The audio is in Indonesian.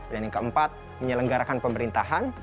dan yang keempat menyelenggarakan pemerintahan